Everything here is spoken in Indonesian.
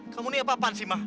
kamu ini apa apaan sih mah